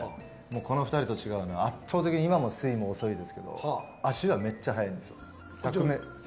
この２人と違うのは圧倒的に、スイム遅いですけど足はめっちゃ速いんです。